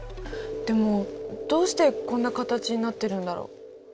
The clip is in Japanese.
でもどうしてこんな形になってるんだろう。